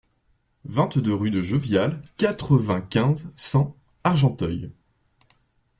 vingt-deux rue de Jolival, quatre-vingt-quinze, cent, Argenteuil